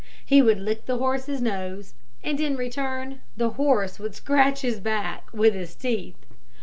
He would lick the horse's nose, and in return the horse would scratch his back with his teeth.